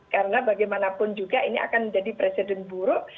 karena bagaimanapun juga ini akan menjadi presiden buruk